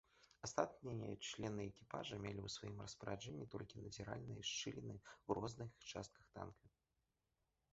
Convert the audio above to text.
Астатнія члены экіпажа мелі ў сваім распараджэнні толькі назіральныя шчыліны ў розных частках танка.